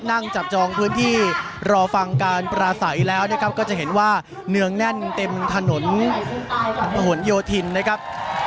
นั่งจับจองพื้นที่รอฟังการปราศัยแล้วนะครับก็จะเห็นว่าเนืองแน่นเต็มถนนผนโยธินนะครับ